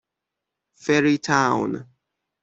فری تاون